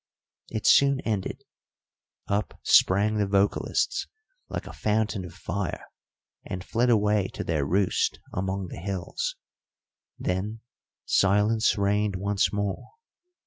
It soon ended; up sprang the vocalists like a fountain of fire and fled away to their roost among the hills, then silence reigned once more.